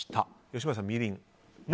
吉村さん、みりん？